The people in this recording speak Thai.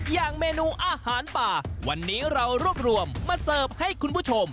อย่างเมนูอาหารป่าวันนี้เรารวบรวมมาเสิร์ฟให้คุณผู้ชม